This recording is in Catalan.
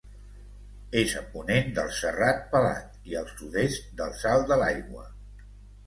És a ponent del Serrat Pelat i al sud-est del Salt de l'Aigua.